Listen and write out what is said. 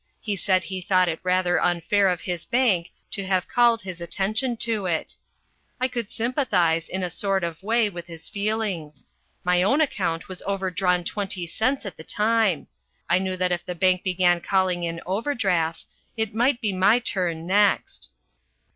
He said he thought it rather unfair of his bank to have called his attention to it. I could sympathise, in a sort of way, with his feelings. My own account was overdrawn twenty cents at the time. I knew that if the bank began calling in overdrafts it might be my turn next.